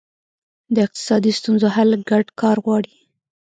د اقتصادي ستونزو حل ګډ کار غواړي.